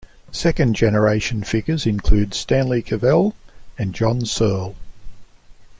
Second generation figures include Stanley Cavell and John Searle.